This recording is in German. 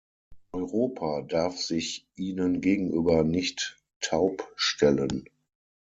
Europa darf sich ihnen gegenüber nicht taub stellen.